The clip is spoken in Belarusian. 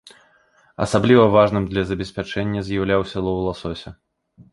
Асабліва важным для забеспячэння з'яўляўся лоў ласося.